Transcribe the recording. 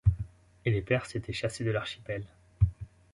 Et les perses étaient chassés de l'Archipel !